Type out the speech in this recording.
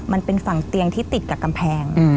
มันเป็นฝั่งเตียงที่ติดกับกำแพง